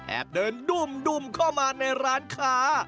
แอบเดินดุ้มเข้ามาในร้านขา